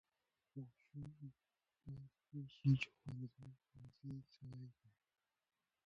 ماشوم باید پوه شي چې ښوونځي خوندي ځای دی.